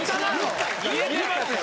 言えてますやん！